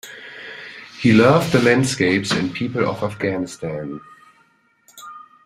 He loved the landscapes and people of Afghanistan.